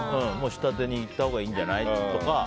下手に行ったほうがいいんじゃないかとか。